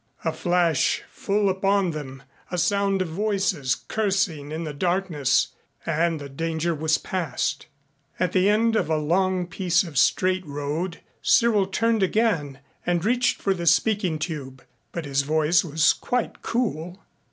A flash full upon them, a sound of voices cursing in the darkness and the danger was passed! At the end of a long piece of straight road Cyril turned again and reached for the speaking tube. But his voice was quite cool.